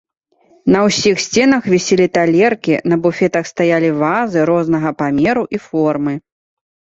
На ўсіх сценах віселі талеркі, на буфетах стаялі вазы рознага памеру і формы.